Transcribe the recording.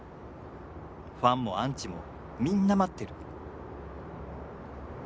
ファンもアンチもみんな待ってる。